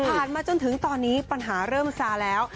มาจนถึงตอนนี้ปัญหาเริ่มซาแล้ว